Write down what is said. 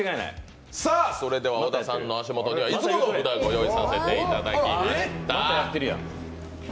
さあ、小田さんにはいつもの札をご用意させていただきました！